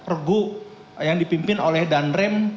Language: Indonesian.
regu yang dipimpin oleh danrem